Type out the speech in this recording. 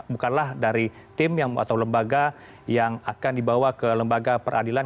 bukanlah dari tim atau lembaga yang akan dibawa ke lembaga peradilan